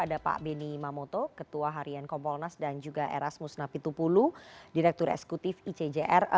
ada pak beni mamoto ketua harian kompolnas dan juga erasmus napitupulu direktur esekutif icjr